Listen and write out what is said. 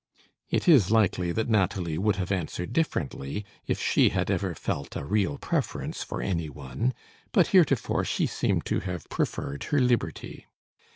It is likely that Nathalie would have answered differently if she had ever felt a real preference for any one; but heretofore she seemed to have preferred her liberty.